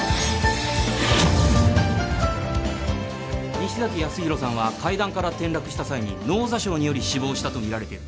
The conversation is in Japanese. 西崎康弘さんは階段から転落した際に脳挫傷により死亡したとみられている。